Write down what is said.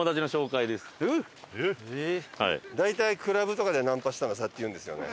大体クラブとかでナンパしたのをそうやって言うんですよね。